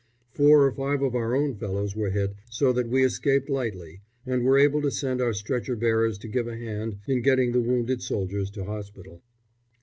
Four or five of our own fellows were hit, so that we escaped lightly, and were able to send our stretcher bearers to give a hand in getting the wounded soldiers to hospital.